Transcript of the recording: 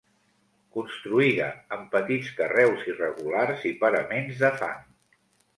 Construïda amb petits carreus irregulars i paraments de fang.